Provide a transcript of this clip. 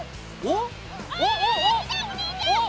おっ？